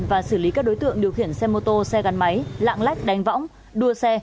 và xử lý các đối tượng điều khiển xe mô tô xe gắn máy lạng lách đánh võng đua xe